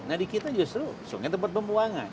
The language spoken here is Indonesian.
nah di kita justru sungai tempat pembuangan